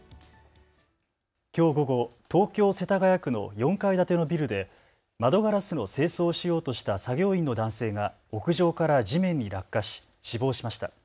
きょう午後、東京世田谷区の４階建てのビルで窓ガラスの清掃をしようとした作業員の男性が屋上から地面に落下し死亡しました。